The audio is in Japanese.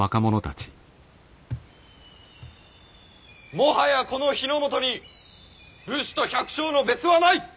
もはやこの日の本に武士と百姓の別はない！